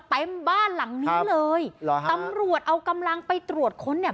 บ้านหลังนี้เลยเหรอฮะตำรวจเอากำลังไปตรวจค้นเนี่ย